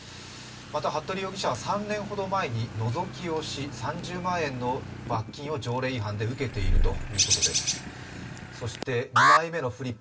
また服部容疑者は３年ほど前にのぞきをし３０万円の罰金を条例違反で受けているということです。